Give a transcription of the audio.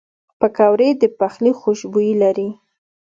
پکورې د پخلي خوشبویي لري